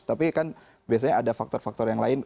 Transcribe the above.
tapi kan biasanya ada faktor faktor yang lain